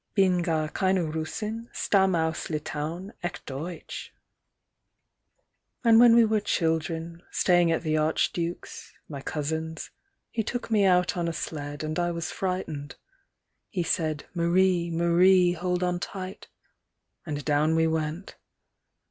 Bin gar keine Russin, stamm' aus Litauen, echt deutsch. And when we were children, staying at the archduke's, My cousin's, he took me out on a sled, And I was frightened. He said, Marie, Marie, hold on tight. And down we went.